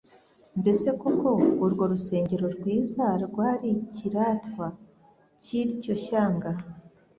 Mbese koko urwo rusengero rwiza rwari icyiratwa cy'iryo shyanga,